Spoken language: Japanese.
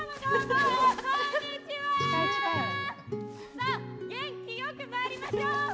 さあ、元気よく参りましょう！